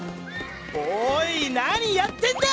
おーい何やってんだ！